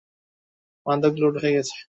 মাদক লোড হয়ে গেছে।